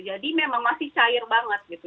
jadi memang masih cair banget gitu